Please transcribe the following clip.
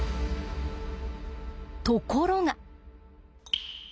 ところが。